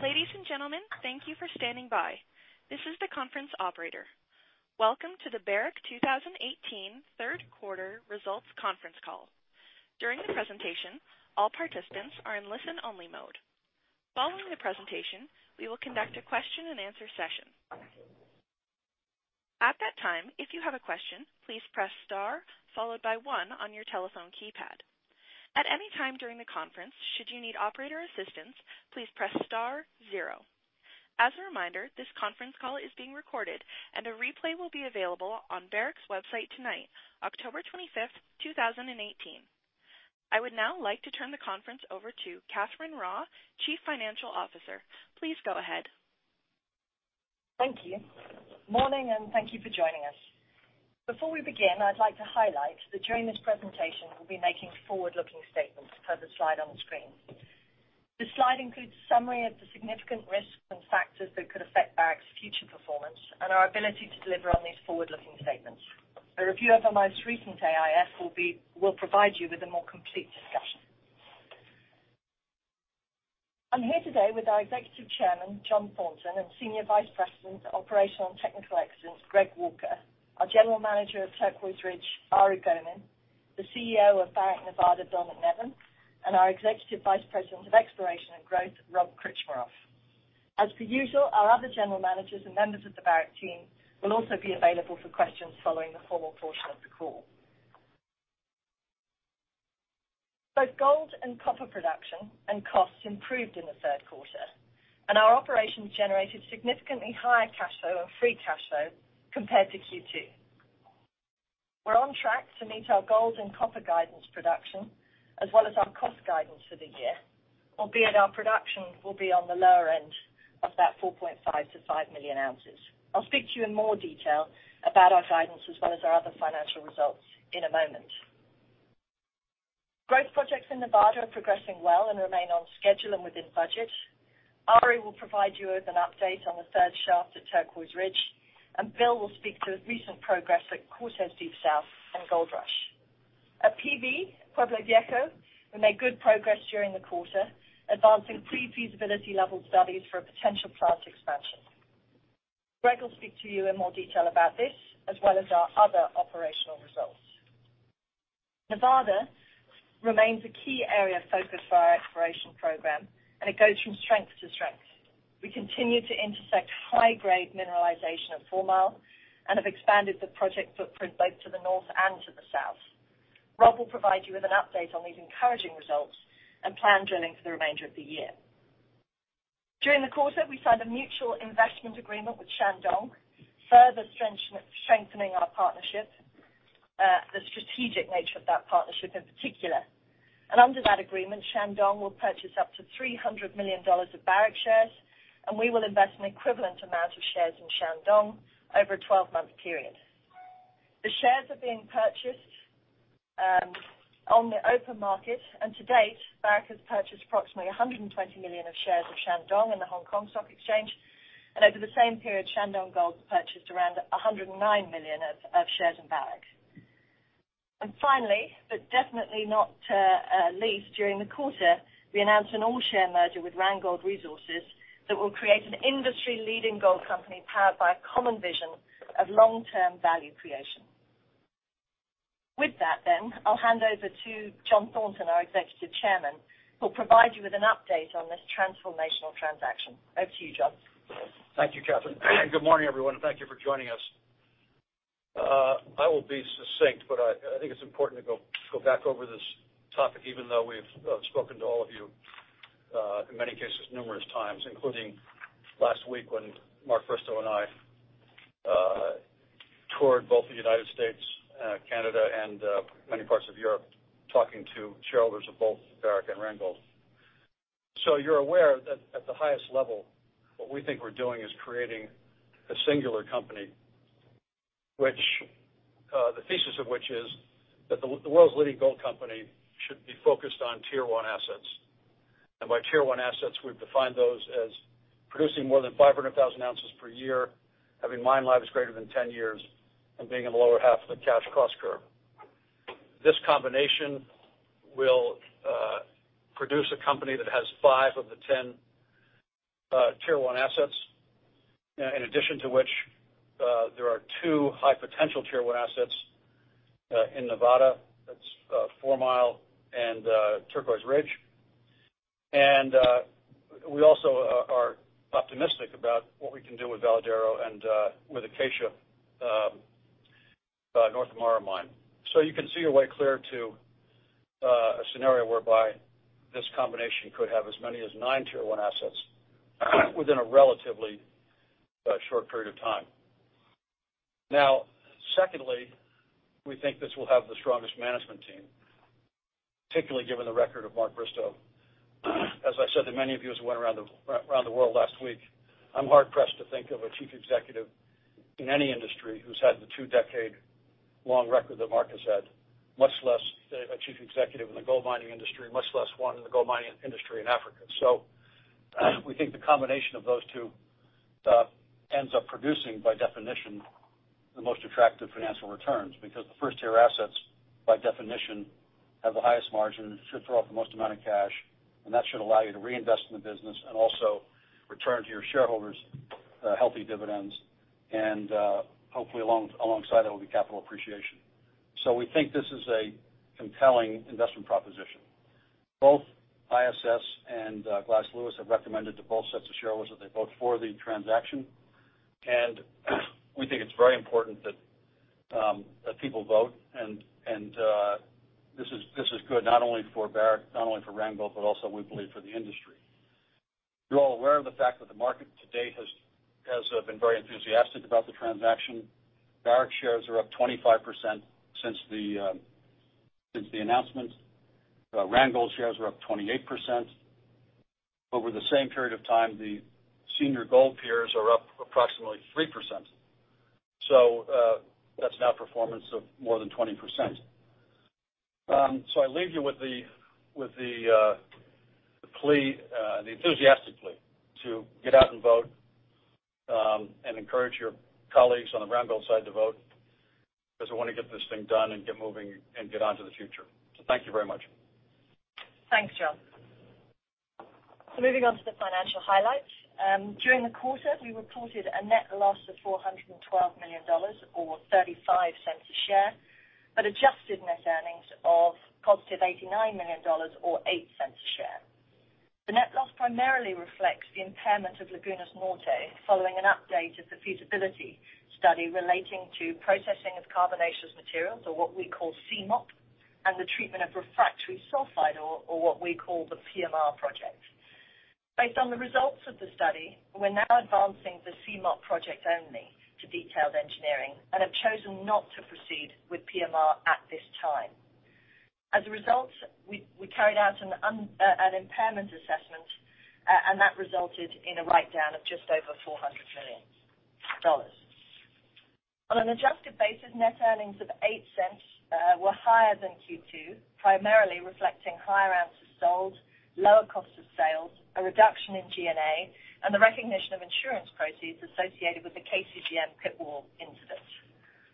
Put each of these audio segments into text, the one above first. Ladies and gentlemen, thank you for standing by. This is the conference operator. Welcome to the Barrick 2018 third quarter results conference call. During the presentation, all participants are in listen-only mode. Following the presentation, we will conduct a question and answer session. At that time, if you have a question, please press star followed by one on your telephone keypad. At any time during the conference, should you need operator assistance, please press star zero. As a reminder, this conference call is being recorded, and a replay will be available on Barrick's website tonight, October 25th, 2018. I would now like to turn the conference over to Catherine Raw, Chief Financial Officer. Please go ahead. Thank you. Morning, and thank you for joining us. Before we begin, I'd like to highlight that during this presentation, we'll be making forward-looking statements per the slide on the screen. This slide includes a summary of the significant risks and factors that could affect Barrick's future performance and our ability to deliver on these forward-looking statements. A review of our most recent AIF will provide you with a more complete discussion. I'm here today with our Executive Chairman, John Thornton, and Senior Vice President of Operational and Technical Excellence, Greg Walker, our General Manager of Turquoise Ridge, Ari Gonin, the CEO of Barrick Nevada, Bill MacNevin, and our Executive Vice President of Exploration and Growth, Rob Krcmarov. As per usual, our other general managers and members of the Barrick team will also be available for questions following the formal portion of the call. Both gold and copper production and costs improved in the third quarter, and our operations generated significantly higher cash flow and free cash flow compared to Q2. We're on track to meet our gold and copper guidance production, as well as our cost guidance for the year, albeit our production will be on the lower end of that 4.5 million-5 million ounces. I'll speak to you in more detail about our guidance as well as our other financial results in a moment. Growth projects in Nevada are progressing well and remain on schedule and within budget. Henri will provide you with an update on the third shaft at Turquoise Ridge, and Bill will speak to recent progress at Cortez Deep South and Goldrush. At PV, Pueblo Viejo, we made good progress during the quarter, advancing pre-feasibility level studies for a potential plant expansion. Greg will speak to you in more detail about this, as well as our other operational results. Nevada remains a key area of focus for our exploration program, and it goes from strength to strength. We continue to intersect high-grade mineralization at Fourmile and have expanded the project footprint both to the north and to the south. Rob will provide you with an update on these encouraging results and plan drilling for the remainder of the year. During the quarter, we signed a mutual investment agreement with Shandong, further strengthening our partnership, the strategic nature of that partnership in particular. Under that agreement, Shandong will purchase up to $300 million of Barrick shares, and we will invest an equivalent amount of shares in Shandong over a 12-month period. The shares are being purchased on the open market. To date, Barrick has purchased approximately $120 million of shares of Shandong Gold in the Hong Kong Stock Exchange. Over the same period, Shandong Gold purchased around $109 million of shares in Barrick. Finally, but definitely not least, during the quarter, we announced an all-share merger with Randgold Resources that will create an industry-leading gold company powered by a common vision of long-term value creation. With that, I'll hand over to John Thornton, our Executive Chairman, who'll provide you with an update on this transformational transaction. Over to you, John. Thank you, Catherine. Good morning, everyone. Thank you for joining us. I will be succinct, but I think it's important to go back over this topic, even though we've spoken to all of you, in many cases, numerous times, including last week when Mark Bristow and I toured both the U.S., Canada, and many parts of Europe, talking to shareholders of both Barrick and Randgold. You're aware that at the highest level, what we think we're doing is creating a singular company, the thesis of which is that the world's leading gold company should be focused on Tier 1 assets. By Tier 1 assets, we've defined those as producing more than 500,000 ounces per year, having mine lives greater than 10 years, and being in the lower half of the cash cost curve. This combination will produce a company that has five of the 10 Tier 1 assets. In addition to which, there are two high-potential Tier 1 assets in Nevada. That's Fourmile and Turquoise Ridge. We also are optimistic about what we can do with Veladero and with Acacia North Mara mine. You can see a way clear to a scenario whereby this combination could have as many as nine Tier 1 assets within a relatively short period of time. Secondly, we think this will have the strongest management team, particularly given the record of Mark Bristow. As I said to many of you as we went around the world last week, I'm hard-pressed to think of a chief executive in any industry who's had the two-decade-long record that Mark has had, much less a chief executive in the gold mining industry, much less one in the gold mining industry in Africa. We think the combination of those two ends up producing by definition, the most attractive financial returns because the first-tier assets, by definition, have the highest margin, should throw off the most amount of cash. That should allow you to reinvest in the business and also return to your shareholders healthy dividends, and hopefully alongside that will be capital appreciation. We think this is a compelling investment proposition. Both ISS and Glass Lewis have recommended to both sets of shareholders that they vote for the transaction. We think it's very important that people vote. This is good not only for Barrick, not only for Randgold, but also we believe for the industry. You're all aware of the fact that the market to date has been very enthusiastic about the transaction. Barrick shares are up 25% since the announcement. Randgold shares are up 28%. Over the same period of time, the senior gold peers are up approximately 3%. That's an outperformance of more than 20%. I leave you with the enthusiastic plea to get out and vote, and encourage your colleagues on the Randgold side to vote, because we want to get this thing done and get moving and get on to the future. Thank you very much. Thanks, John. Moving on to the financial highlights. During the quarter, we reported a net loss of $412 million or $0.35 a share, but adjusted net earnings of positive $89 million or $0.08 a share. The net loss primarily reflects the impairment of Lagunas Norte following an update of the feasibility study relating to processing of carbonaceous materials or what we call CMOP, and the treatment of refractory sulfide or what we call the PMR project. Based on the results of the study, we're now advancing the CMOP project only to detailed engineering and have chosen not to proceed with PMR at this time. As a result, we carried out an impairment assessment, that resulted in a write-down of just over $400 million. On an adjusted basis, net earnings of $0.08 were higher than Q2, primarily reflecting higher ounces sold, lower cost of sales, a reduction in G&A, and the recognition of insurance proceeds associated with the KCGM pit wall incident,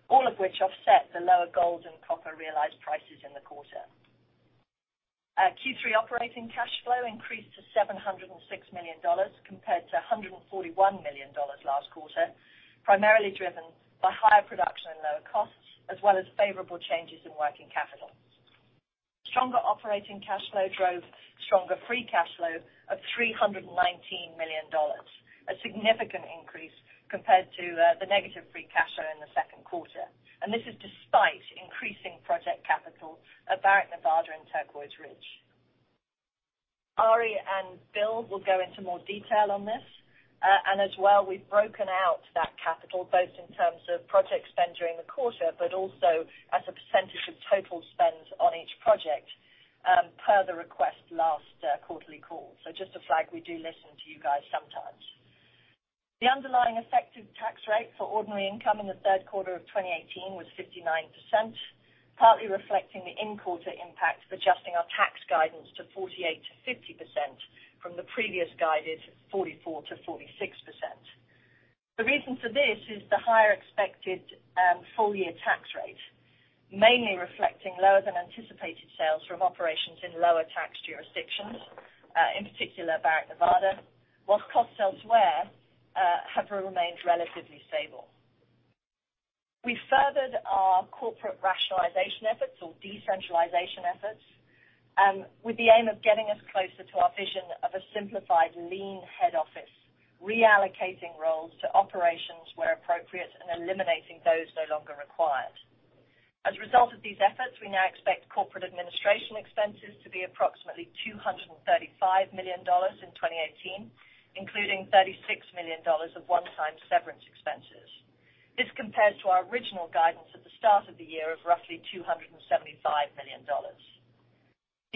all of which offset the lower gold and copper realized prices in the quarter. Q3 operating cash flow increased to $706 million compared to $141 million last quarter, primarily driven by higher production and lower costs, as well as favorable changes in working capital. Stronger operating cash flow drove stronger free cash flow of $319 million, a significant increase compared to the negative free cash flow in the second quarter. This is despite increasing project capital at Barrick Nevada and Turquoise Ridge. Ari and Bill will go into more detail on this. As well, we've broken out that capital, both in terms of project spend during the quarter, but also as a percentage of total spend on each project, per the request last quarterly call. Just a flag, we do listen to you guys sometimes. The underlying effective tax rate for ordinary income in the third quarter of 2018 was 59%, partly reflecting the in-quarter impact of adjusting our tax guidance to 48%-50% from the previous guided 44%-46%. The reason for this is the higher expected full-year tax rate, mainly reflecting lower than anticipated sales from operations in lower tax jurisdictions, in particular Barrick Nevada, whilst costs elsewhere have remained relatively stable. We furthered our corporate rationalization efforts or decentralization efforts with the aim of getting us closer to our vision of a simplified lean head office, reallocating roles to operations where appropriate and eliminating those no longer required. As a result of these efforts, we now expect corporate administration expenses to be approximately $235 million in 2018, including $36 million of one-time severance expenses. This compares to our original guidance at the start of the year of roughly $275 million.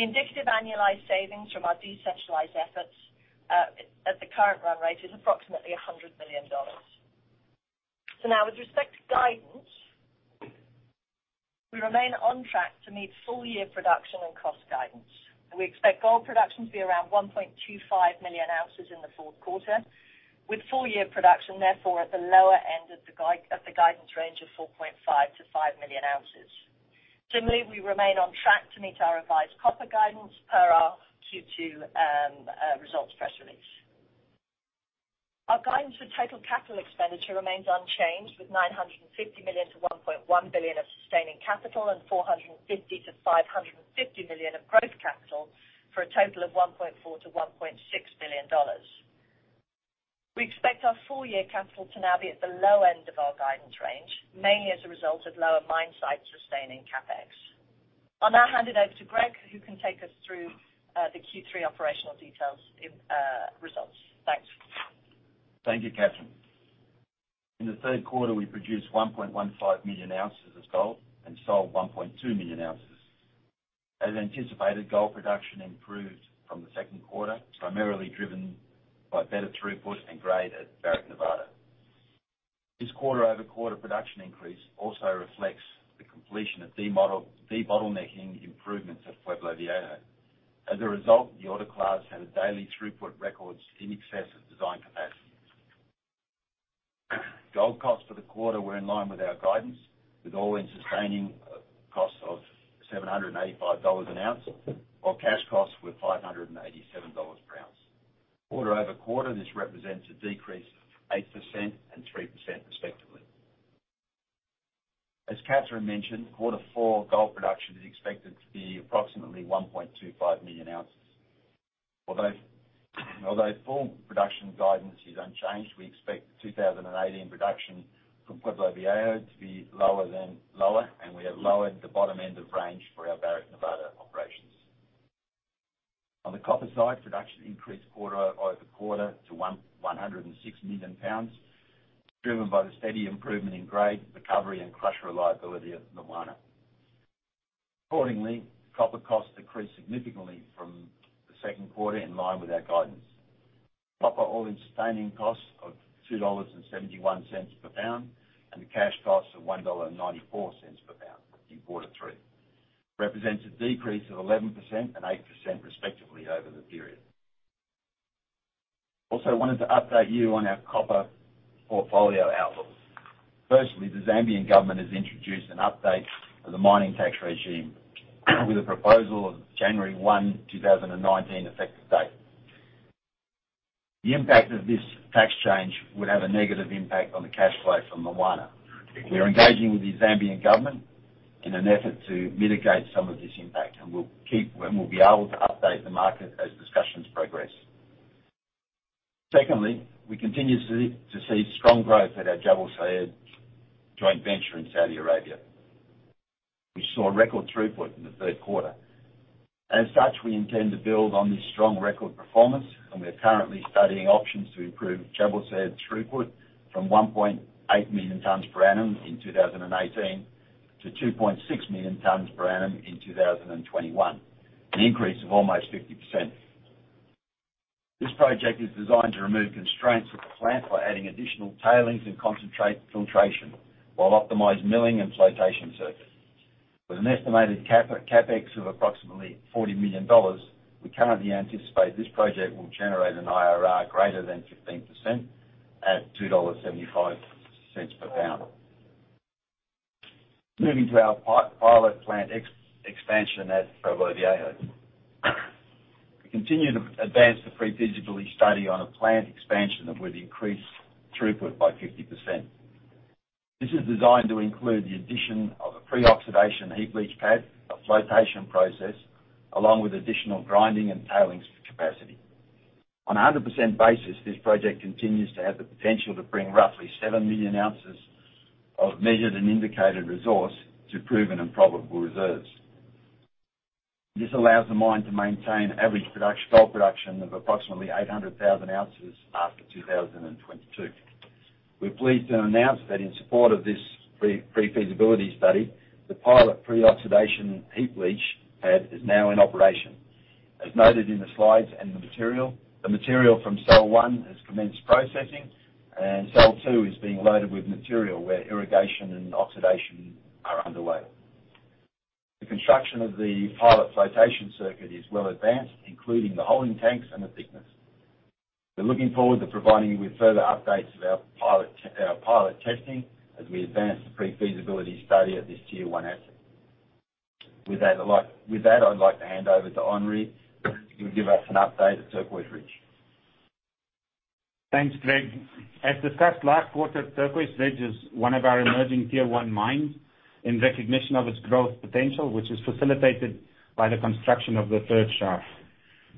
The indicative annualized savings from our decentralized efforts at the current run rate is approximately $100 million. Now with respect to guidance, we remain on track to meet full-year production and cost guidance, and we expect gold production to be around 1.25 million ounces in the fourth quarter, with full-year production therefore at the lower end of the guidance range of 4.5 million-5 million ounces. Similarly, we remain on track to meet our revised copper guidance per our Q2 results press release. Our guidance for total capital expenditure remains unchanged with $950 million to $1.1 billion of sustaining capital and $450 million-$550 million of growth capital for a total of $1.4 billion-$1.6 billion. We expect our full-year capital to now be at the low end of our guidance range, mainly as a result of lower mine site sustaining CapEx. I'll now hand it over to Greg who can take us through the Q3 operational details results. Thanks. Thank you, Catherine. In the third quarter, we produced 1.15 million ounces of gold and sold 1.2 million ounces. As anticipated, gold production improved from the second quarter, primarily driven by better throughput and grade at Barrick Nevada. This quarter-over-quarter production increase also reflects the completion of de-bottlenecking improvements at Pueblo Viejo. As a result, the autoclaves had daily throughput records in excess of design capacity. Gold costs for the quarter were in line with our guidance, with all-in sustaining costs of $785 an ounce while cash costs were $587 per ounce. Quarter-over-quarter, this represents a decrease of 8% and 3% respectively. As Catherine mentioned, quarter four gold production is expected to be approximately 1.25 million ounces. Although full production guidance is unchanged, we expect 2018 production from Pueblo Viejo to be lower, and we have lowered the bottom end of range for our Barrick Nevada operations. On the copper side, production increased quarter-over-quarter to 106 million pounds, driven by the steady improvement in grade, recovery, and crusher reliability at Lumwana. Accordingly, copper costs decreased significantly from the second quarter, in line with our guidance. Copper all-in sustaining costs of $2.71 per pound and cash costs of $1.94 per pound in quarter three. Represents a decrease of 11% and 8% respectively over the period. Also wanted to update you on our copper portfolio outlook. Firstly, the Zambian government has introduced an update of the mining tax regime with a proposal of January 1, 2019 effective date. The impact of this tax change would have a negative impact on the cash flow from Lumwana. We are engaging with the Zambian government in an effort to mitigate some of this impact, and we'll be able to update the market as discussions progress. Secondly, we continue to see strong growth at our Jabal Sayid joint venture in Saudi Arabia, which saw a record throughput in the third quarter. As such, we intend to build on this strong record performance. We are currently studying options to improve Jabal Sayid's throughput from 1.8 million tons per annum in 2018 to 2.6 million tons per annum in 2021, an increase of almost 50%. This project is designed to remove constraints at the plant by adding additional tailings and concentrate filtration while optimized milling and flotation circuits. With an estimated CapEx of approximately $40 million, we currently anticipate this project will generate an IRR greater than 15% at $2.75 per pound. Moving to our pilot plant expansion at Pueblo Viejo. We continue to advance the pre-feasibility study on a plant expansion that would increase throughput by 50%. This is designed to include the addition of a pre-oxidation heap leach pad, a flotation process, along with additional grinding and tailings capacity. On a 100% basis, this project continues to have the potential to bring roughly seven million ounces of measured and indicated resource to proven and probable reserves. This allows the mine to maintain average gold production of approximately 800,000 ounces after 2022. We're pleased to announce that in support of this pre-feasibility study, the pilot pre-oxidation heap leach pad is now in operation. As noted in the slides and the material, the material from cell one has commenced processing. Cell two is being loaded with material where irrigation and oxidation are underway. The construction of the pilot flotation circuit is well advanced, including the holding tanks and the thickness. We're looking forward to providing you with further updates of our pilot testing as we advance the pre-feasibility study of this tier 1 asset. With that, I'd like to hand over to Ari, who will give us an update at Turquoise Ridge. Thanks, Greg. As discussed last quarter, Turquoise Ridge is one of our emerging tier 1 mines in recognition of its growth potential, which is facilitated by the construction of the third shaft.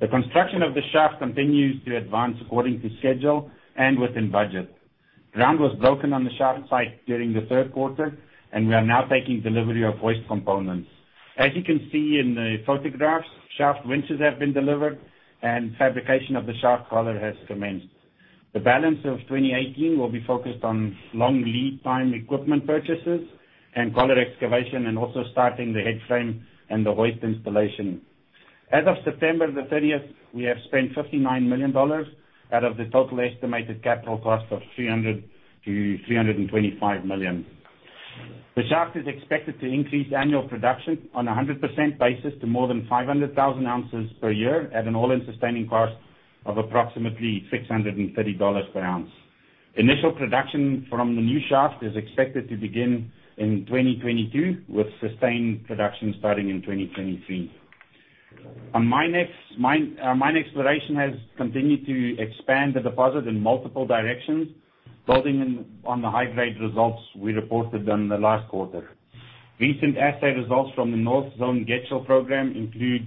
The construction of the shaft continues to advance according to schedule and within budget. Ground was broken on the shaft site during the third quarter. We are now taking delivery of hoist components. As you can see in the photographs, shaft winches have been delivered. Fabrication of the shaft collar has commenced. The balance of 2018 will be focused on long lead time equipment purchases and collar excavation, also starting the headframe and the hoist installation. As of September the 30th, we have spent $59 million out of the total estimated capital cost of $300-$325 million. The shaft is expected to increase annual production on a 100% basis to more than 500,000 ounces per year at an all-in sustaining costs of approximately $630 per ounce. Initial production from the new shaft is expected to begin in 2022, with sustained production starting in 2023. On mine exploration has continued to expand the deposit in multiple directions, building on the high-grade results we reported on the last quarter. Recent assay results from the North Zone Getchell program include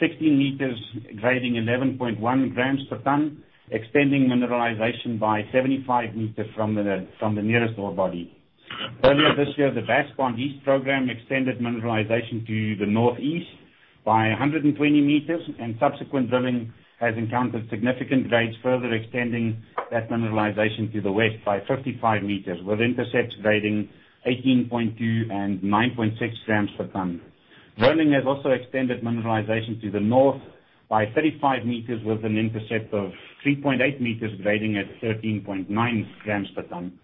60 meters grading 11.1 grams per ton, extending mineralization by 75 meters from the nearest ore body. Earlier this year, the Bass Pond East program extended mineralization to the northeast by 120 meters. Subsequent drilling has encountered significant grades, further extending that mineralization to the west by 55 meters, with intercepts grading 18.2 and 9.6 grams per ton. Drilling has also extended mineralization to the north by 35 meters with an intercept of 3.8 meters grading at 13.9 grams per ton.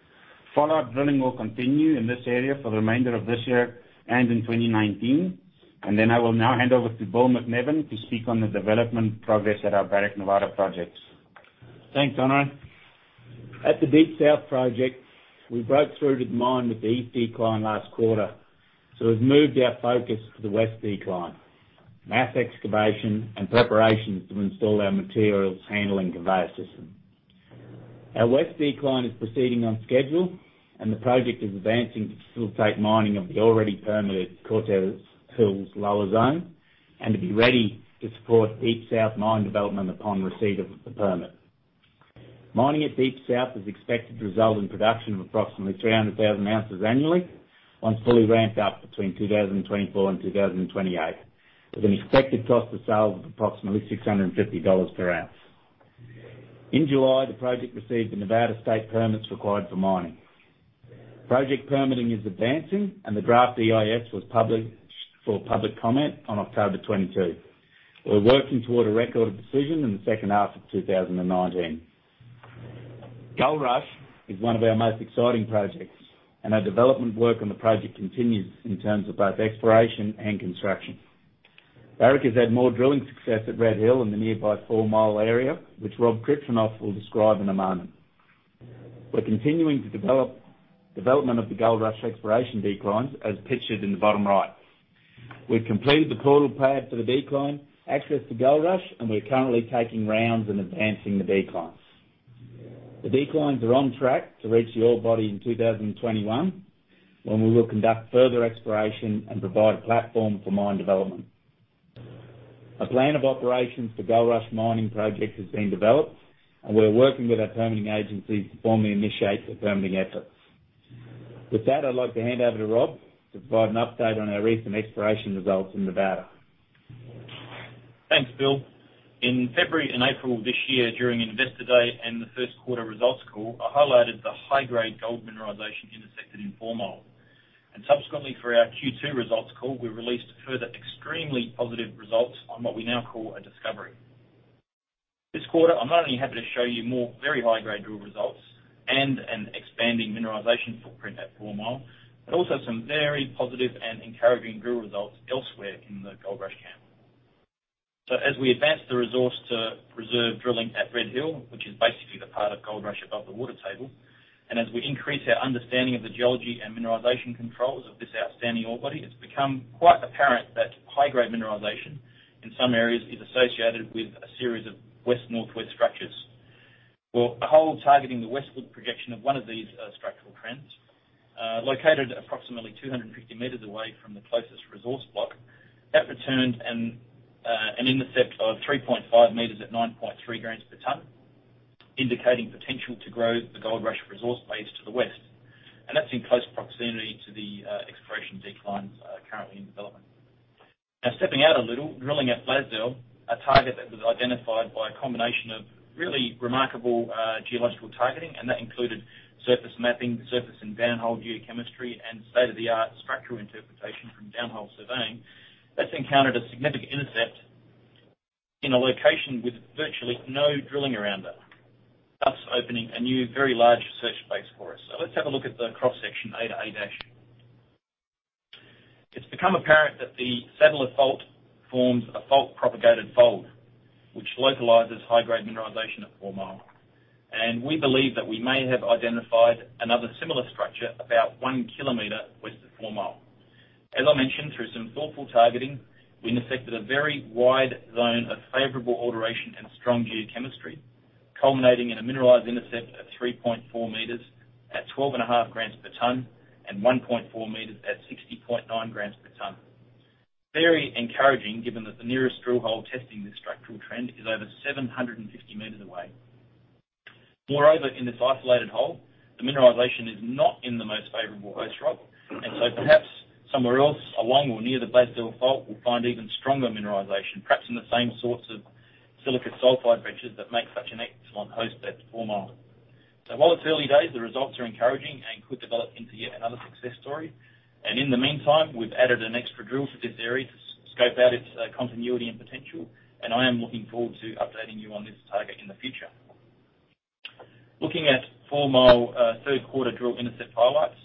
Follow-up drilling will continue in this area for the remainder of this year and in 2019. I will now hand over to Bill MacNevin to speak on the development progress at our Barrick Nevada projects. Thanks, Ari. At the Deep South project, we broke through to the mine with the east decline last quarter. We've moved our focus to the west decline, mass excavation, and preparations to install our materials handling conveyor system. Our west decline is proceeding on schedule. The project is advancing to facilitate mining of the already permitted Cortez Hills lower zone and to be ready to support Deep South mine development upon receipt of the permit. Mining at Deep South is expected to result in production of approximately 300,000 ounces annually on fully ramped up between 2024 and 2028 with an expected cost of sales of approximately $650 per ounce. In July, the project received the Nevada state permits required for mining. Project permitting is advancing. The draft EIS was published for public comment on October 22. We're working toward a record of decision in the second half of 2019. Goldrush is one of our most exciting projects. Our development work on the project continues in terms of both exploration and construction. Barrick has had more drilling success at Red Hill in the nearby Fourmile area, which Rob Krcmarov will describe in a moment. We're continuing development of the Goldrush exploration declines, as pictured in the bottom right. We've completed the portal pad for the decline access to Goldrush. We're currently taking rounds and advancing the declines. The declines are on track to reach the ore body in 2021, when we will conduct further exploration and provide a platform for mine development. A plan of operations for Goldrush mining project has been developed. We're working with our permitting agencies to formally initiate the permitting efforts. With that, I'd like to hand over to Rob to provide an update on our recent exploration results in Nevada. Thanks, Bill. In February and April this year during Investor Day and the first quarter results call, I highlighted the high-grade gold mineralization intersected in Fourmile. Subsequently, through our Q2 results call, we released further extremely positive results on what we now call a discovery. This quarter, I'm not only happy to show you more very high-grade drill results and an expanding mineralization footprint at Fourmile, but also some very positive and encouraging drill results elsewhere in the Goldrush camp. As we advance the resource to preserve drilling at Red Hill, which is basically the part of Goldrush above the water table, and as we increase our understanding of the geology and mineralization controls of this outstanding ore body, it's become quite apparent that high-grade mineralization in some areas is associated with a series of west-northwest structures. A hole targeting the westward projection of one of these structural trends, located approximately 250 meters away from the closest resource block, that returned an intercept of 3.5 meters at 9.3 grams per ton, indicating potential to grow the Goldrush resource base to the west. That's in close proximity to the exploration declines currently in development. Stepping out a little, drilling at Blasdell, a target that was identified by a combination of really remarkable geological targeting. That included surface mapping, surface and downhole geochemistry, and state-of-the-art structural interpretation from downhole surveying. That's encountered a significant intercept in a location with virtually no drilling around it, thus opening a new, very large search base for us. Let's have a look at the cross-section A to A-dash. It's become apparent that the Saddle ore fault forms a fault-propagated fold, which localizes high-grade mineralization at Fourmile. We believe that we may have identified another similar structure about one kilometer west of Fourmile. As I mentioned, through some thoughtful targeting, we intersected a very wide zone of favorable alteration and strong geochemistry, culminating in a mineralized intercept of 3.4 meters at 12.5 grams per ton and 1.4 meters at 60.9 grams per ton. Very encouraging, given that the nearest drill hole testing this structural trend is over 750 meters away. Moreover, in this isolated hole, the mineralization is not in the most favorable host rock, perhaps somewhere else along or near the Blasdell fault, we'll find even stronger mineralization, perhaps in the same sorts of silica sulfide benches that make such an excellent host at Fourmile. While it's early days, the results are encouraging and could develop into yet another success story. In the meantime, we've added an extra drill to this area to scope out its continuity and potential, and I am looking forward to updating you on this target in the future. Looking at Fourmile third quarter drill intercept highlights,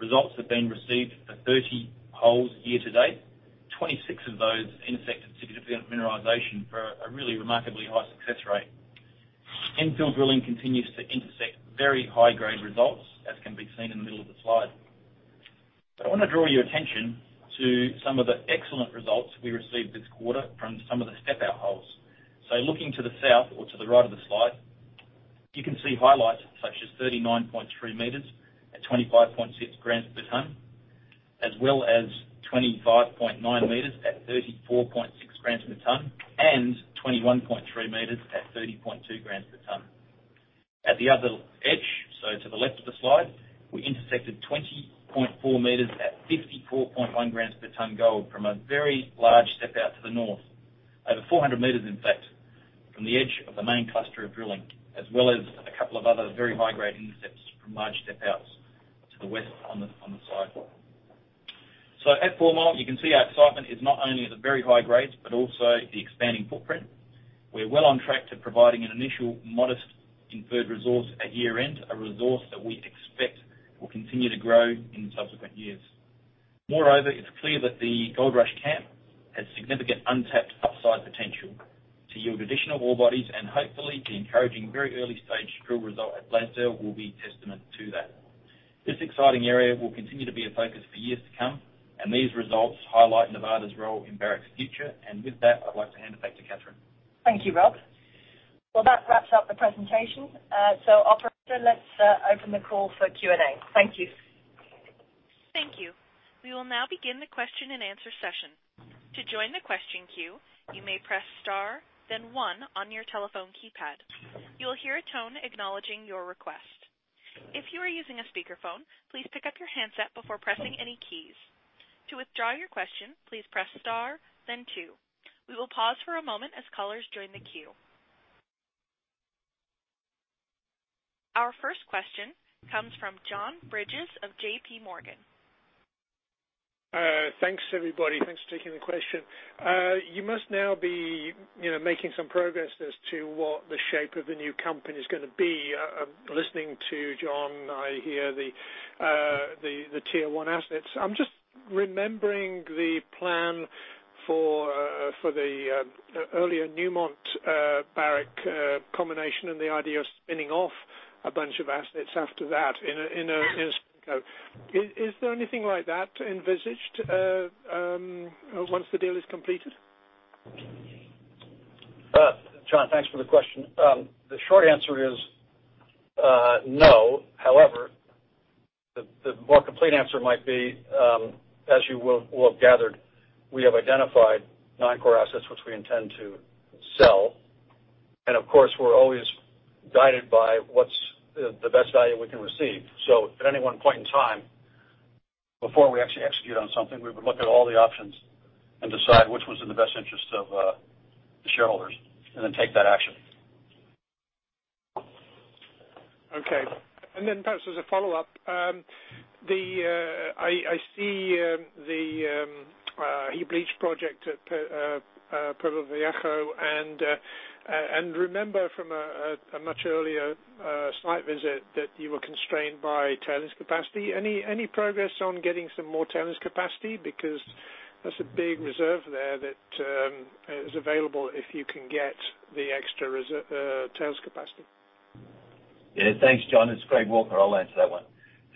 results have been received for 30 holes year to date. 26 of those intersected significant mineralization for a really remarkably high success rate. Infill drilling continues to intersect very high-grade results, as can be seen in the middle of the slide. I want to draw your attention to some of the excellent results we received this quarter from some of the step out holes. Looking to the south or to the right of the slide, you can see highlights such as 39.3 meters at 25.6 grams per ton, as well as 25.9 meters at 34.6 grams per ton. 21.3 meters at 30.2 grams per ton. At the other edge, to the left of the slide, we intersected 20.4 meters at 54.1 grams per ton gold from a very large step out to the north. Over 400 meters in fact. From the edge of the main cluster of drilling, as well as a couple of other very high-grade intercepts from large step-outs to the west on the side. At Fourmile, you can see our excitement is not only at the very high grades but also the expanding footprint. We're well on track to providing an initial modest inferred resource at year-end, a resource that we expect will continue to grow in subsequent years. Moreover, it's clear that the Goldrush camp has significant untapped upside potential to yield additional ore bodies, and hopefully, the encouraging very early-stage drill result at Blasdel will be testament to that. This exciting area will continue to be a focus for years to come, and these results highlight Nevada's role in Barrick's future. With that, I'd like to hand it back to Catherine. Thank you, Rob. That wraps up the presentation. Operator, let's open the call for Q&A. Thank you. Thank you. We will now begin the question and answer session. To join the question queue, you may press star then one on your telephone keypad. You will hear a tone acknowledging your request. If you are using a speakerphone, please pick up your handset before pressing any keys. To withdraw your question, please press star then two. We will pause for a moment as callers join the queue. Our first question comes from John Bridges of JPMorgan. Thanks, everybody. Thanks for taking the question. You must now be making some progress as to what the shape of the new company's going to be. Listening to John, I hear the tier 1 assets. I'm just remembering the plan for the earlier Newmont-Barrick combination and the idea of spinning off a bunch of assets after that in a spin-off. Is there anything like that envisaged once the deal is completed? John, thanks for the question. The short answer is no. However, the more complete answer might be, as you will have gathered, we have identified nine core assets, which we intend to sell. Of course, we're always guided by what's the best value we can receive. At any one point in time, before we actually execute on something, we would look at all the options and decide which one's in the best interest of the shareholders and then take that action. Okay. Then perhaps as a follow-up, I see the heap leach project at Pueblo Viejo and remember from a much earlier site visit that you were constrained by tailings capacity. Any progress on getting some more tailings capacity? That's a big reserve there that is available if you can get the extra tailings capacity. Yeah. Thanks, John. It's Greg Walker. I'll answer that one.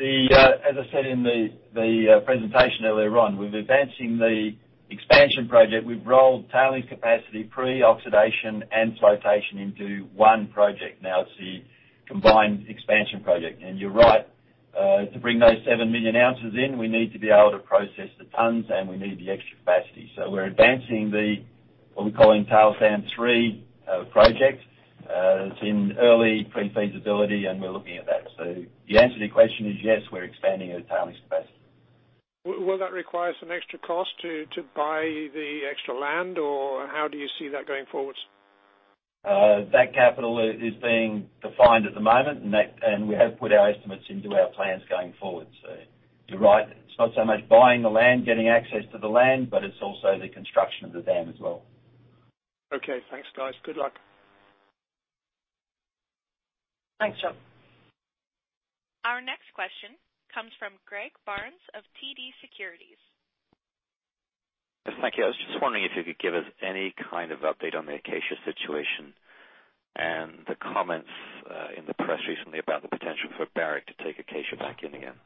As I said in the presentation earlier on, we're advancing the expansion project. We've rolled tailings capacity, pre-oxidation, and flotation into one project. Now it's the combined expansion project. You're right, to bring those 7 million ounces in, we need to be able to process the tons, and we need the extra capacity. We're advancing the, what we're calling Tailings Dam 3 project. It's in early pre-feasibility, and we're looking at that. The answer to your question is yes, we're expanding our tailings capacity. Will that require some extra cost to buy the extra land, or how do you see that going forward? That capital is being defined at the moment. We have put our estimates into our plans going forward. You're right. It's not so much buying the land, getting access to the land, it's also the construction of the dam as well. Okay, thanks, guys. Good luck. Thanks, John. Our next question comes from Greg Barnes of TD Securities. Thank you. I was just wondering if you could give us any kind of update on the Acacia situation and the comments in the press recently about the potential for Barrick to take Acacia back in again.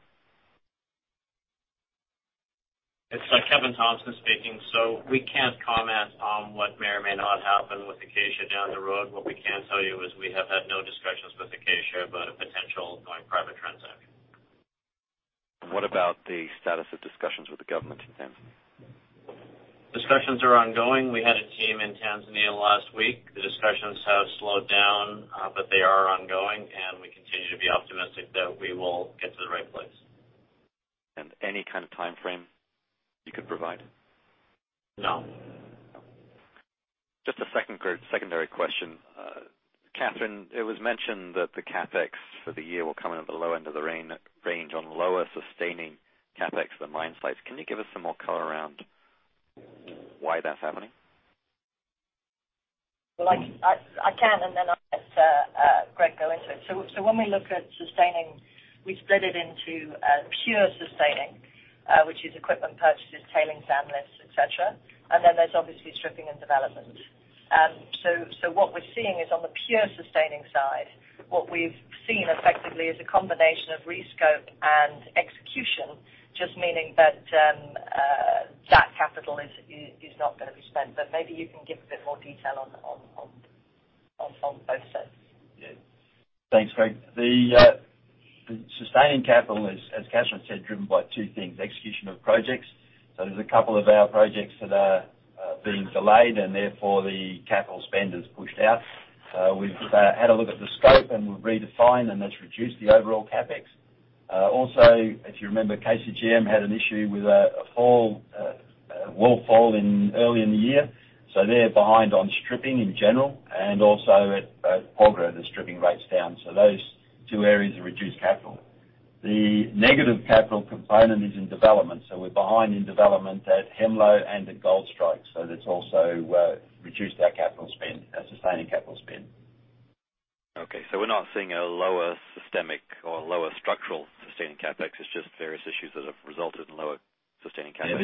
It's Kevin Thomson speaking. We can't comment on what may or may not happen with Acacia down the road. What we can tell you is we have had no discussions with Acacia about a potential going private transaction. What about the status of discussions with the government then? Discussions are ongoing. We had a team in Tanzania last week. The discussions have slowed down, but they are ongoing, and we continue to be optimistic that we will get to the right place. Any kind of timeframe you could provide? No. Just a secondary question. Catherine, it was mentioned that the CapEx for the year will come in at the low end of the range on lower sustaining CapEx than mine sites. Can you give us some more color around why that's happening? Well, I can, and then I'll let Greg go into it. When we look at sustaining, we split it into pure sustaining, which is equipment purchases, tailings dam lifts, et cetera, and then there's obviously stripping and development. What we're seeing is on the pure sustaining side, what we've seen effectively is a combination of rescope and execution, just meaning that that capital is not going to be spent, but maybe you can give a bit more detail on both sides. Yeah. Thanks, Greg. The sustaining capital is, as Catherine said, driven by two things, execution of projects. There's a couple of our projects that are being delayed, and therefore, the capital spend is pushed out. We've had a look at the scope, and we've redefined, and that's reduced the overall CapEx. Also, if you remember, KCGM had an issue with a wall fall early in the year. They're behind on stripping in general, and also at Porgera, the stripping rate's down. Those two areas are reduced capital. The negative capital component is in development. We're behind in development at Hemlo and at Goldstrike, so that's also reduced our capital spend, our sustaining capital spend. Okay, we're not seeing a lower systemic or lower structural sustaining CapEx. It's just various issues that have resulted in lower sustaining capital.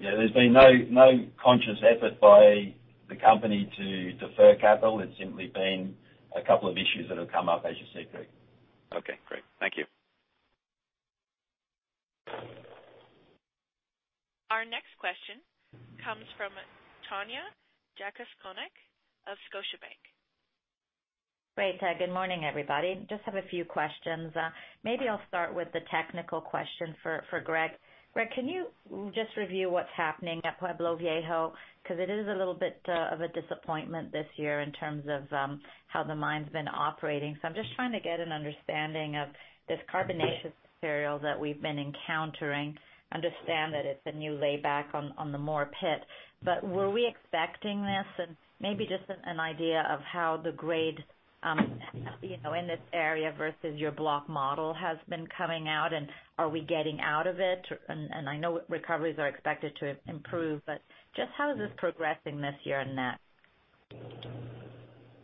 Yeah, there's been no conscious effort by the company to defer capital. It's simply been a couple of issues that have come up, as you see, Greg. Okay, great. Thank you. Our next question comes from Tanya Jakusconek of Scotiabank. Great. Good morning, everybody. Just have a few questions. Maybe I'll start with the technical question for Greg. Greg, can you just review what's happening at Pueblo Viejo? Because it is a little bit of a disappointment this year in terms of how the mine's been operating. I'm just trying to get an understanding of this carbonaceous material that we've been encountering. Understand that it's a new layback on the Moore pit. Were we expecting this? Maybe just an idea of how the grade in this area versus your block model has been coming out, and are we getting out of it? I know recoveries are expected to improve, but just how is this progressing this year on that?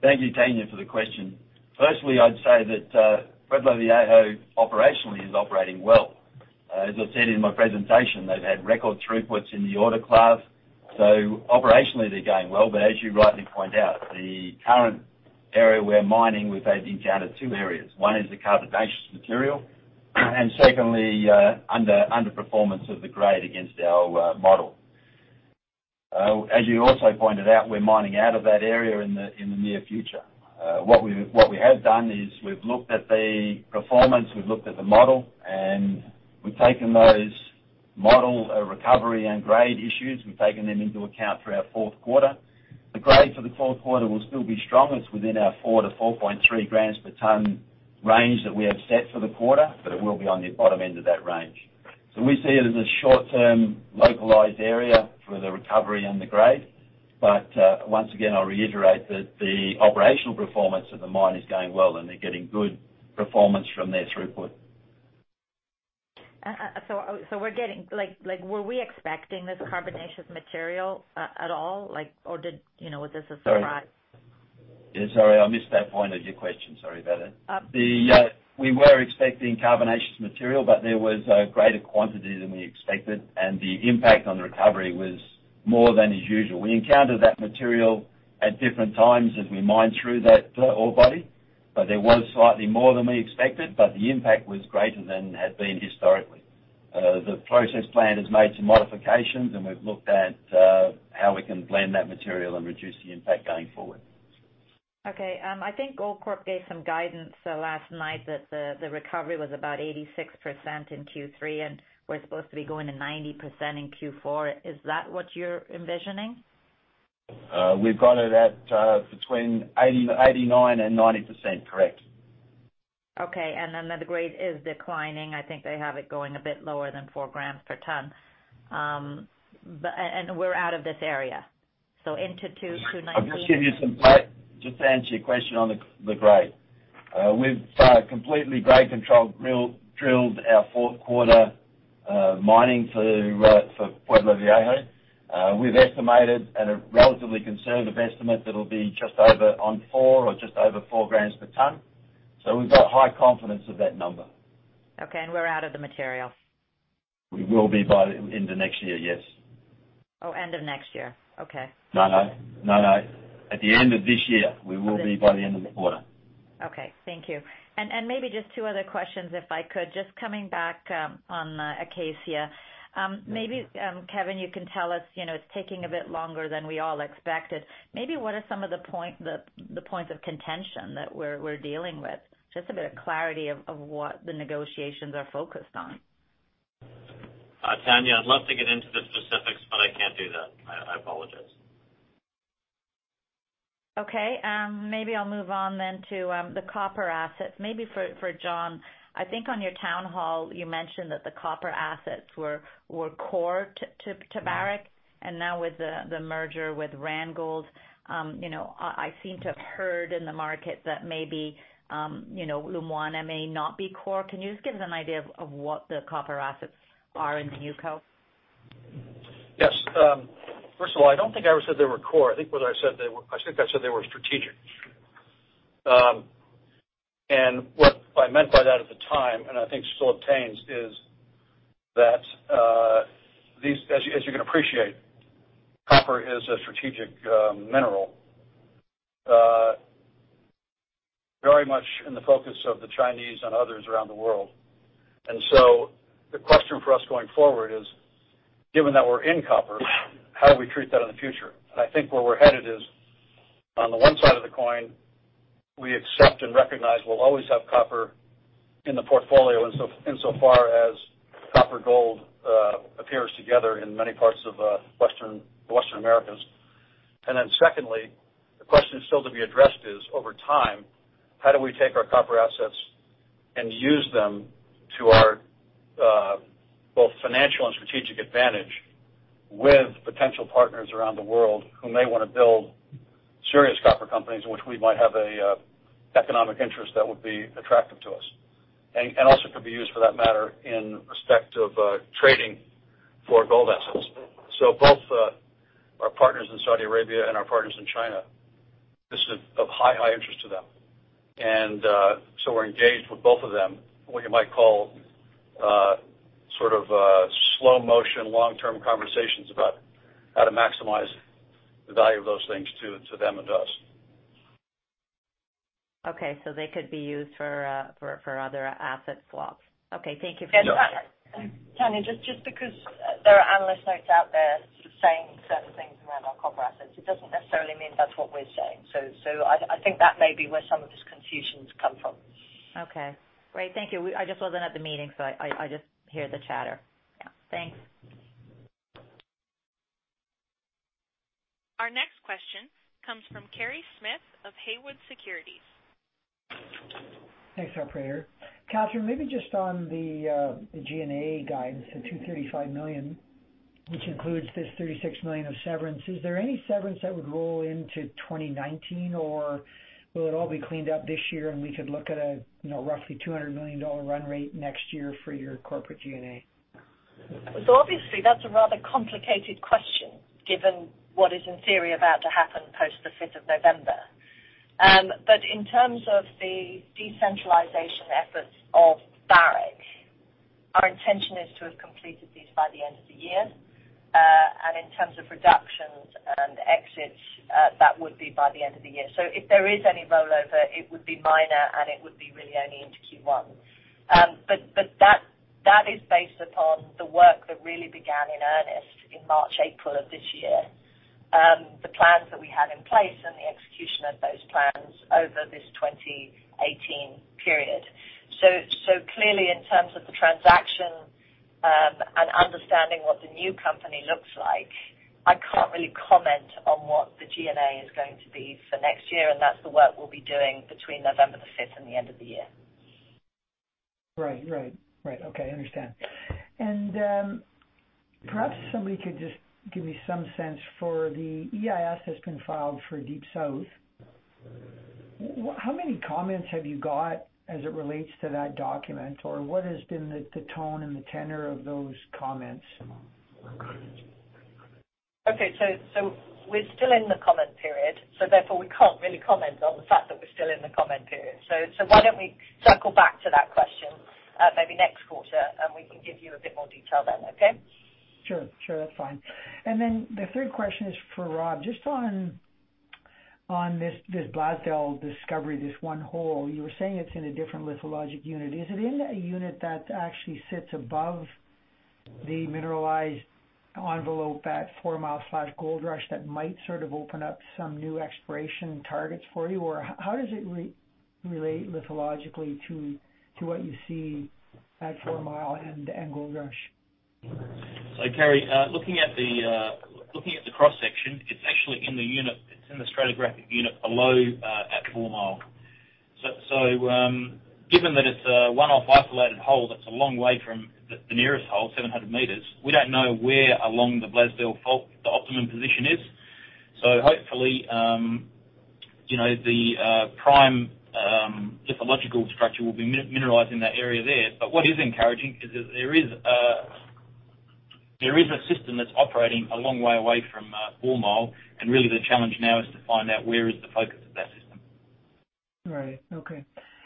Thank you, Tanya, for the question. Firstly, I'd say that Pueblo Viejo operationally is operating well. As I said in my presentation, they've had record throughputs in the Autoclave, so operationally they're going well. As you rightly point out, the current area we're mining, we've encountered two areas. One is the carbonaceous material, and secondly, underperformance of the grade against our model. As you also pointed out, we're mining out of that area in the near future. What we have done is we've looked at the performance, we've looked at the model, and we've taken those model recovery and grade issues, we've taken them into account for our fourth quarter. The grade for the fourth quarter will still be strong. It's within our 4 to 4.3 grams per ton range that we have set for the quarter, but it will be on the bottom end of that range. We see it as a short-term, localized area for the recovery and the grade. Once again, I'll reiterate that the operational performance of the mine is going well and they're getting good performance from their throughput. Were we expecting this carbonaceous material at all? Was this a surprise? Sorry, I missed that point of your question. Sorry about that. Oh. We were expecting carbonaceous material, but there was a greater quantity than we expected, and the impact on the recovery was more than as usual. We encounter that material at different times as we mine through that ore body, but there was slightly more than we expected, but the impact was greater than had been historically. The process plant has made some modifications, and we've looked at how we can blend that material and reduce the impact going forward. Okay. I think Goldcorp gave some guidance last night that the recovery was about 86% in Q3, and we're supposed to be going to 90% in Q4. Is that what you're envisioning? We've got it at between 89% and 90%. Correct. Okay, then the grade is declining. I think they have it going a bit lower than 4 grams per ton. We're out of this area. I'll just give you some guidance, just to answer your question on the grade. We've completely grade controlled drilled our fourth quarter mining for Pueblo Viejo. We've estimated at a relatively conservative estimate, that'll be just over on 4 or just over 4 grams per ton. We've got high confidence of that number. Okay. We're out of the material? We will be by end of next year, yes. Oh, end of next year. Okay. No, no. At the end of this year. We will be by the end of the quarter. Okay, thank you. Maybe just two other questions if I could. Just coming back on Acacia. Maybe, Kevin, you can tell us, it's taking a bit longer than we all expected. Maybe what are some of the points of contention that we're dealing with? Just a bit of clarity of what the negotiations are focused on. Tanya, I'd love to get into the specifics, I can't do that. I apologize. Okay. Maybe I'll move on to the copper assets. Maybe for John, I think on your town hall, you mentioned that the copper assets were core to Barrick, and now with the merger with Randgold, I seem to have heard in the market that maybe Lumwana may not be core. Can you just give us an idea of what the copper assets are in the new co? Yes. First of all, I don't think I ever said they were core. I think I said they were strategic. What I meant by that at the time, and I think still obtains, is that as you can appreciate, copper is a strategic mineral very much in the focus of the Chinese and others around the world. The question for us going forward is, given that we're in copper, how do we treat that in the future? I think where we're headed is, on the one side of the coin, we accept and recognize we'll always have copper in the portfolio insofar as copper, gold appears together in many parts of the Western Americas. Secondly, the question still to be addressed is, over time, how do we take our copper assets and use them to our, both financial and strategic advantage with potential partners around the world who may want to build serious copper companies, which we might have a economic interest that would be attractive to us? Also could be used, for that matter, in respect of trading for gold assets. Both our partners in Saudi Arabia and our partners in China, this is of high interest to them. We're engaged with both of them, what you might call a sort of a slow motion, long-term conversations about how to maximize the value of those things to them and to us. Okay. They could be used for other asset swaps. Okay. Thank you for that. Yeah. Tanya, just because there are analyst notes out there saying certain things around our copper assets, it doesn't necessarily mean that's what we're saying. I think that may be where some of this confusion's come from. Okay. Great. Thank you. I just wasn't at the meeting, so I just hear the chatter. Yeah. Thanks. Our next question comes from Kerry Smith of Haywood Securities. Thanks, operator. Catherine, maybe just on the G&A guidance, the $235 million, which includes this $36 million of severance, is there any severance that would roll into 2019, or will it all be cleaned up this year and we could look at a roughly $200 million run rate next year for your corporate G&A? Obviously, that's a rather complicated question, given what is in theory about to happen post the 5th of November. In terms of the decentralization efforts of Barrick, our intention is to have completed these by the end of the year. In terms of reductions and exits, that would be by the end of the year. If there is any rollover, it would be minor, and it would be really only into Q1. That is based upon the work that really began in earnest in March, April of this year. The plans that we had in place and the execution of those plans over this 2018 period. Clearly, in terms of the transaction, and understanding what the new company looks like, I can't really comment on what the G&A is going to be for next year, and that's the work we'll be doing between November the 5th and the end of the year. Right. Okay. I understand. Perhaps somebody could just give me some sense for the EIS that's been filed for Deep South. How many comments have you got as it relates to that document? Or what has been the tone and the tenor of those comments? Okay. We're still in the comment period, therefore we can't really comment on the fact that we're still in the comment period. Why don't we circle back to that question maybe next quarter, and we can give you a bit more detail then. Okay? Sure. That's fine. Then the third question is for Rob. Just on this Blasdel discovery, this one hole, you were saying it's in a different lithologic unit. Is it in a unit that actually sits above the mineralized envelope at Fourmile/Goldrush that might sort of open up some new exploration targets for you? How does it relate lithologically to what you see at Fourmile and Goldrush? Kerry, looking at the cross-section, it's actually in the stratigraphic unit below at Fourmile. Given that it's a one-off isolated hole that's a long way from the nearest hole, 700 meters, we don't know where along the Blasdel fault the optimum position is. Hopefully, the prime lithological structure will be mineralized in that area there. What is encouraging is that there is a system that's operating a long way away from Fourmile, really the challenge now is to find out where is the focus of that system. Right. Okay.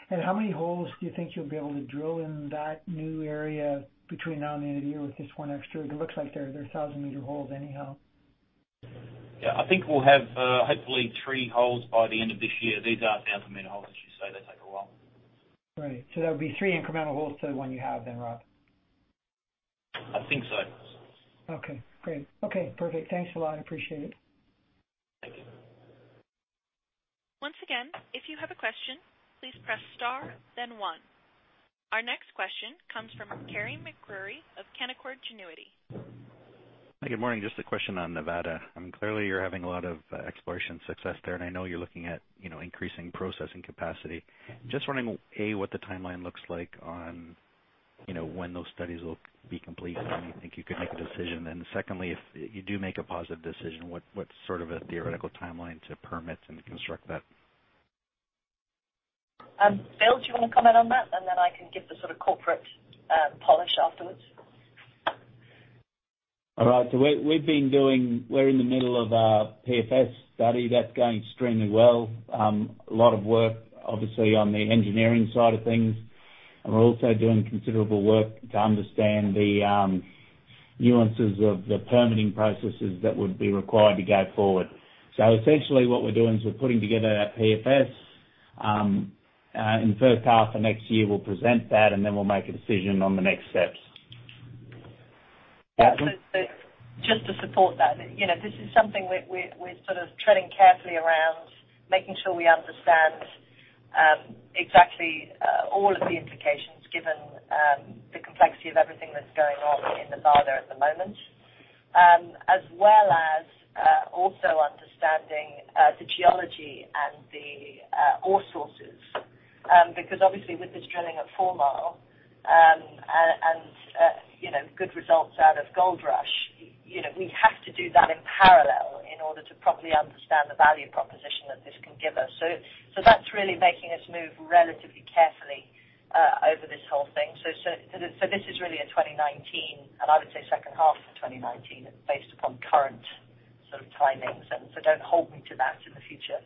How many holes do you think you'll be able to drill in that new area between now and the end of the year with this one extra? It looks like they're 1,000-meter holes anyhow. Yeah. I think we'll have hopefully three holes by the end of this year. These are 1,000-meter holes, as you say, they take a while. Right. That would be three incremental holes to the one you have then, Rob? I think so. Okay. Great. Okay. Perfect. Thanks a lot. I appreciate it. Thank you. Once again, if you have a question, please press star then one. Our next question comes from Carey MacRury of Canaccord Genuity. Good morning. Just a question on Nevada. Clearly, you're having a lot of exploration success there, and I know you're looking at increasing processing capacity. Just wondering, A, what the timeline looks like on when those studies will be complete, when you think you can make a decision. Secondly, if you do make a positive decision, what's sort of a theoretical timeline to permits and to construct that? Bill, do you want to comment on that? Then I can give the sort of corporate polish afterwards. All right. We're in the middle of a PFS study. That's going extremely well. A lot of work obviously on the engineering side of things, and we're also doing considerable work to understand the nuances of the permitting processes that would be required to go forward. Essentially what we're doing is we're putting together that PFS. In the first half of next year, we'll present that, then we'll make a decision on the next steps. Just to support that, this is something we're sort of treading carefully around, making sure we understand exactly all of the implications given everything that's going on in Nevada at the moment, as well as also understanding the geology and the ore sources. Obviously with this drilling at Fourmile, and good results out of Goldrush, we have to do that in parallel in order to properly understand the value proposition that this can give us. That's really making us move relatively carefully, over this whole thing. This is really a 2019, and I would say second half of 2019 based upon current sort of timings. Don't hold me to that in the future.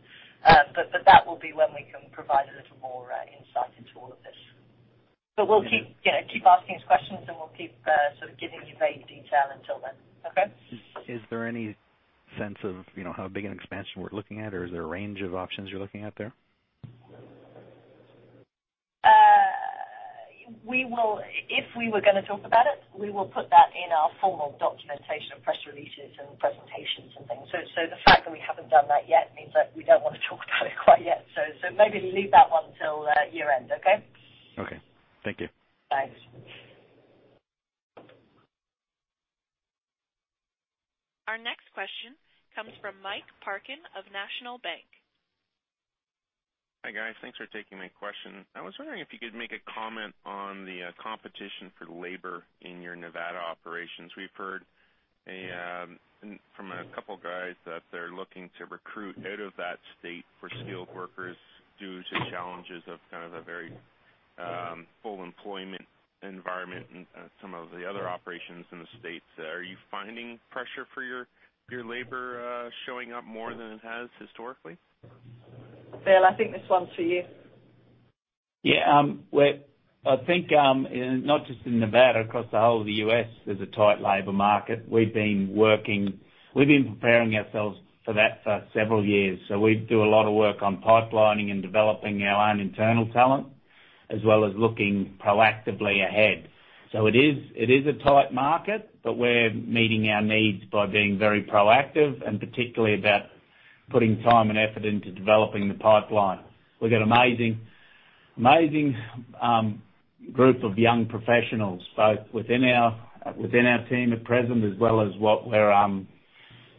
That will be when we can provide a little more insight into all of this. We'll keep asking these questions, and we'll keep sort of giving you vague detail until then. Okay? Is there any sense of how big an expansion we're looking at, or is there a range of options you're looking at there? If we were going to talk about it, we will put that in our formal documentation of press releases and presentations and things. The fact that we haven't done that yet means that we don't want to talk about it quite yet. Maybe leave that one till year-end. Okay? Okay. Thank you. Thanks. Our next question comes from Mike Parkin of National Bank. Hi, guys. Thanks for taking my question. I was wondering if you could make a comment on the competition for labor in your Nevada operations. We've heard from a couple guys that they're looking to recruit out of that state for skilled workers due to challenges of kind of a very full employment environment in some of the other operations in the state. Are you finding pressure for your labor showing up more than it has historically? Bill, I think this one's for you. Yeah. I think, not just in Nevada, across the whole of the U.S., there's a tight labor market. We've been preparing ourselves for that for several years. We do a lot of work on pipelining and developing our own internal talent, as well as looking proactively ahead. It is a tight market, but we're meeting our needs by being very proactive and particularly about putting time and effort into developing the pipeline. We've got amazing group of young professionals, both within our team at present as well as what we're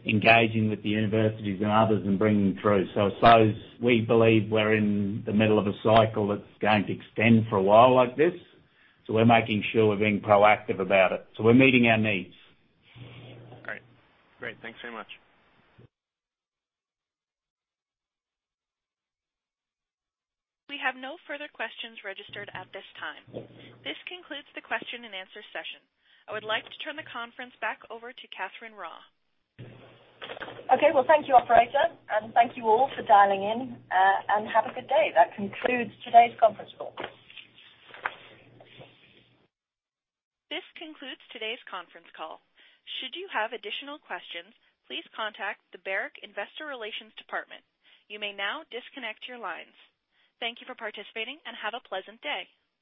engaging with the universities and others and bringing through. I suppose we believe we're in the middle of a cycle that's going to extend for a while like this, so we're making sure we're being proactive about it. We're meeting our needs. Great. Thanks very much. We have no further questions registered at this time. This concludes the question and answer session. I would like to turn the conference back over to Catherine Raw. Okay. Well, thank you, operator, and thank you all for dialing in, and have a good day. That concludes today's conference call. This concludes today's conference call. Should you have additional questions, please contact the Barrick Investor Relations department. You may now disconnect your lines. Thank you for participating, and have a pleasant day.